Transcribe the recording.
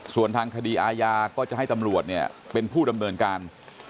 ส่วนทางคดีอาญาก็จะให้ตำรวจเนี่ยเป็นผู้ดำเนินการ